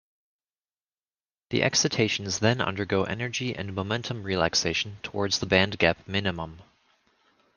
The excitations then undergo energy and momentum relaxation towards the band gap minimum.